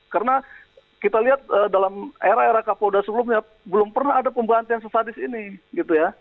karena kita lihat dalam era era kapolda sebelumnya belum pernah ada pembantian sesadis ini